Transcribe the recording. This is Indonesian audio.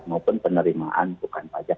maupun penerimaan bukan pajak